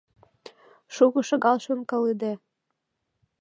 Шуко-шагал шонкалыде.